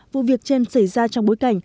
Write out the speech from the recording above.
vụ việc trên xảy ra trong bối cây